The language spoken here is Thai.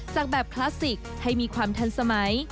จากแบบคลาสสิกให้มีความทันสมัย